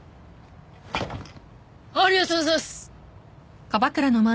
ありがとうございますっ！